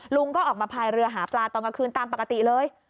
ลุงก็ออกมาพายเรือหาปลาตอนกลางคืนตามปกติเลย